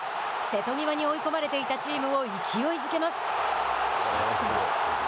瀬戸際に追い込まれていたチームを勢いづけます。